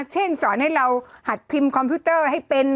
สอนให้เราหัดพิมพ์คอมพิวเตอร์ให้เป็น